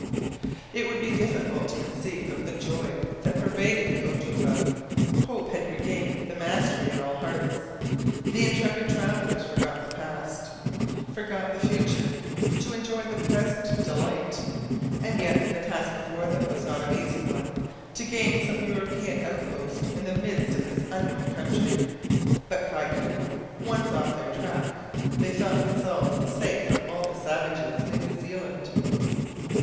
It would be difficult to conceive of the joy that pervaded the oudoupa. Hope had regained the mastery in all hearts. The intrepid travelers forgot the past, forgot the future, to enjoy the present delight! And yet the task before them was not an easy one to gain some European outpost in the midst of this unknown country. But Kai Koumou once off their track, they thought themselves safe from all the savages in New Zealand.